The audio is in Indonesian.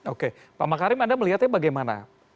oke pak makarim anda melihatnya bagaimana